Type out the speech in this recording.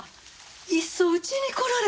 いっそうちに来られたら？